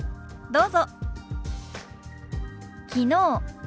どうぞ。